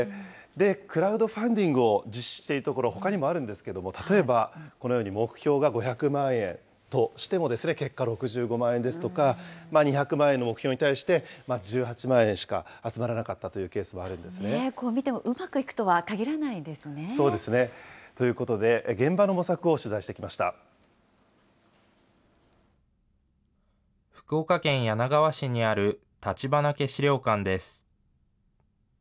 で、クラウドファンディングを実施しているところ、ほかにもあるんですけれども、例えば、このように目標が５００万円としてもですね、結果、６５万円ですとか、２００万円の目標に対して、１８万円しか集まらなかったというケこう見ても、うまくいくとはそうですね。ということで、福岡県柳川市にある立花家史料館です。